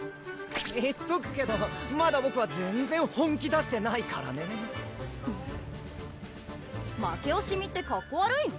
言っとくけどまだボクは全然本気出してないからね負けおしみってかっこ悪いよ？